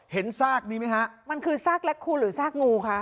เห็นซากนี่ไหมฮะมันคือซากแร็กคูลหรือซากงูค่ะ